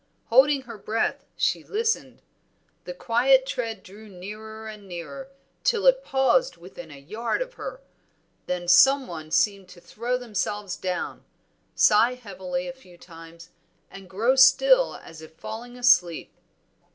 Holding her breath she listened. The quiet tread drew nearer and nearer till it paused within a yard of her, then some one seemed to throw themselves down, sigh heavily a few times and grow still as if falling asleep.